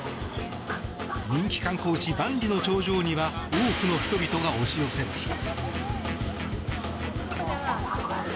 人気観光地・万里の長城には多くの人々が押し寄せました。